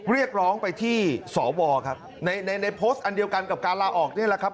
เรียกร้องไปที่สวครับในในโพสต์อันเดียวกันกับการลาออกนี่แหละครับ